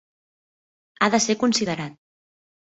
Ha de ser considerat.